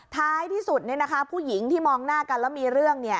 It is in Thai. ท้ายที่สุดผู้หญิงที่มองหน้ากันแล้วมีเรื่อง